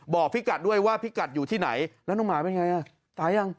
บอกพี่กัดด้วยว่าพี่กัดอยู่ที่ไหนแล้วน้องหมาเป็นไงอ่ะตายยัง